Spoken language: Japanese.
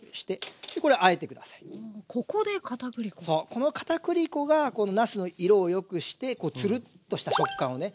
このかたくり粉がなすの色をよくしてツルッとした食感をね